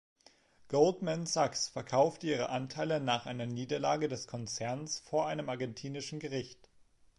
Goldman Sachs verkaufte ihre Anteile nach einer Niederlage des Konzerns vor einem argentinischen Gericht.